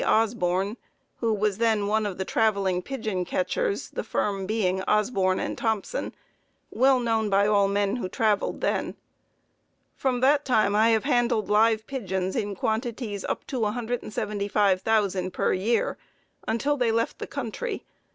Osborn, who was then one of the traveling pigeon catchers, the firm being Osborn & Thompson, well known by all men who traveled then. From that time I have handled live pigeons in quantities up to 175,000 per year until they left the country.